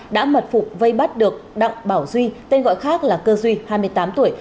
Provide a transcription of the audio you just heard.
đã mật phục vây bắt được đặng bảo duy tên gọi khác là cơ duy hai mươi tám tuổi